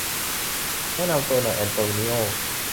แนะนำตัวหน่อยแอนโตนิโอ